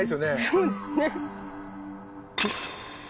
そうですね。